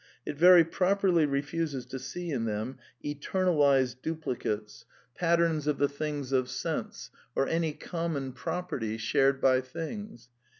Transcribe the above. It very prop erly refuses to see in them eternalized duplicates, patterns 232 A DEFENCE OF IDEALISM of the things of sense, or any common " property " shared by things.